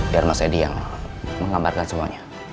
biar mas edi yang menggambarkan semuanya